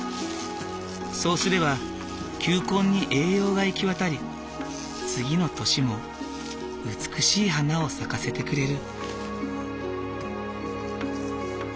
そうすれば球根に栄養が行き渡り次の年も美しい花を咲かせてくれる。